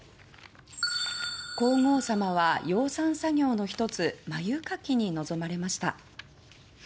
皇后さまは養蚕作業の１つ繭掻きに臨まれました。